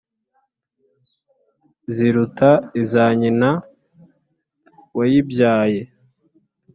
Ziruta iza nyina wayibyaye: